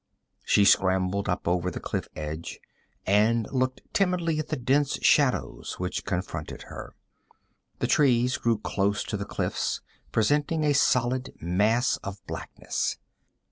She scrambled up over the cliff edge and looked timidly at the dense shadows which confronted her. The trees grew close to the cliffs, presenting a solid mass of blackness.